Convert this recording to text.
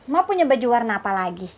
mau punya baju warna apa lagi